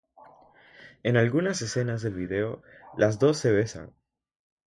En algunas escenas del vídeo las dos se besan.